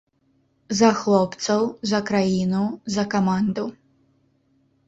За хлопцаў, за краіну, за каманду.